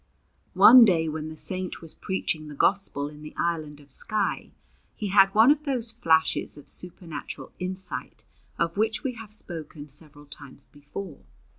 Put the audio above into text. One day when the Saint was preaching the Gospel in the island of Skye, he had one of those flashes of supernatural insight of which we have spoken several times before.